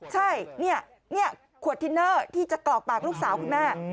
ใช่นี่ขวดทินเนอร์ที่จะกรอกปากลูกสาวคุณแม่